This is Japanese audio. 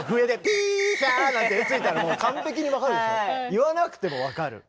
言わなくても分かる。